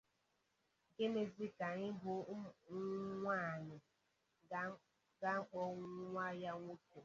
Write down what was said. nke mezịrị ka ya bụ nwaanyị ga kpọọ nwa ya nwoke